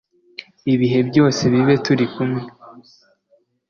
ibihe byose bibe turikumwe